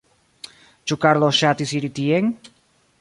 Ĉu Karlo ŝatis iri tien?